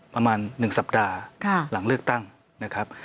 ประมาณ๑สัปดาห์หลังเลือกตั้งนะครับ